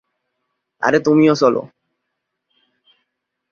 আরে তুমিও চলো।